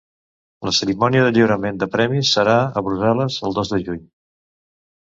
La cerimònia de lliurament de premis serà a Brussel·les el dos de juny.